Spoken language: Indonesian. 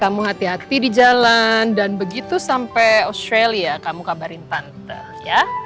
kamu hati hati di jalan dan begitu sampai australia kamu kabarin tanter ya